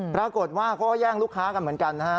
ปรากฏว่าเขาก็แย่งลูกค้ากันเหมือนกันนะฮะ